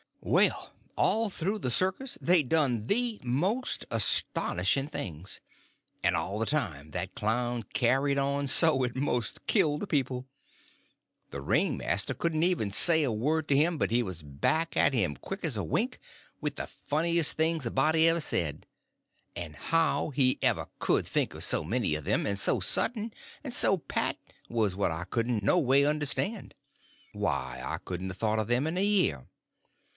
Well, all through the circus they done the most astonishing things; and all the time that clown carried on so it most killed the people. The ringmaster couldn't ever say a word to him but he was back at him quick as a wink with the funniest things a body ever said; and how he ever could think of so many of them, and so sudden and so pat, was what I couldn't noway understand. Why, I couldn't a thought of them in a year.